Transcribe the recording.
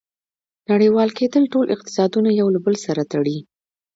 • نړیوال کېدل ټول اقتصادونه یو له بل سره تړي.